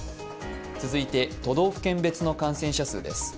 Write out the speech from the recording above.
続いて都道府県別の感染者数です。